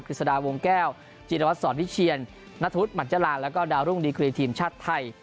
ฤษฎาวงแก้วจีรวัตรสอนวิเชียนนัทธวุฒิหมัจจราแล้วก็ดาวรุ่งดีกรีทีมชาติไทย